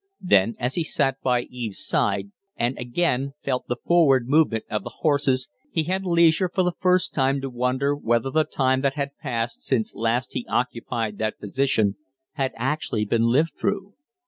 Then, as he sat by Eve's side and again felt the forward movement of the horses, he had leisure for the first time to wonder whether the time that had passed since last he occupied that position had actually been lived through.